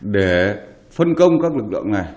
để phân công các lực lượng này